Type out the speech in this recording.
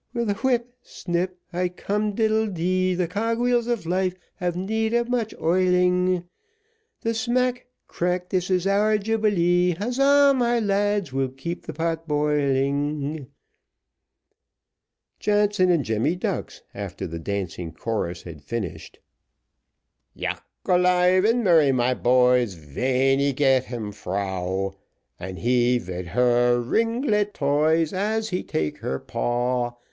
With a whip, snip, high cum diddledy, The cog wheels of life have need of much oiling; Smack, crack this is our jubilee; Huzza my lads! we'll keep the pot boiling. Jansen and Jemmy Ducks, after the dancing chorus had finished, Yack alive and merry, my boys, Ven he get him frau, And he vid her ringlet toys, As he take her paw.